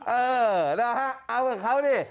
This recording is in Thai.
เออนะฮะเอากับเขาดิ